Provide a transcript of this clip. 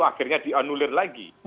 akhirnya dianulir lagi